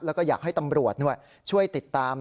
แล้วก็อยากให้ตำรวจช่วยติดตาม